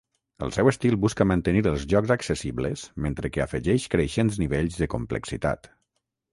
El seu estil busca mantenir els jocs accessibles mentre que afegeix creixents nivells de complexitat.